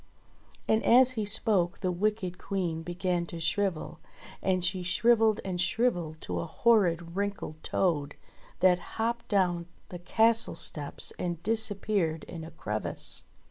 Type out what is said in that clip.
And as he spoke the wicked Queen began to shrivel, and she shrivelled and shrivelled to a horrid wrinkled toad that hopped down the castle steps and disappeared in a crevice.